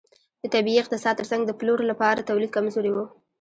د طبیعي اقتصاد ترڅنګ د پلور لپاره تولید کمزوری و.